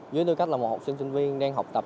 với tư cách là một học sinh sinh viên đang học tập